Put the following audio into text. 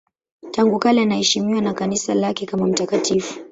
Tangu kale anaheshimiwa na Kanisa lake kama mtakatifu.